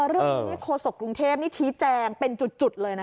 เรื่องนี้โฆษกกรุงเทพนี่ชี้แจงเป็นจุดเลยนะ